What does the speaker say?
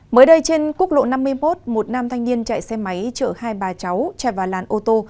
mới đây trên quốc lộ năm mươi một một nam thanh niên chạy xe máy chở hai bà cháu chạy vào làn ô tô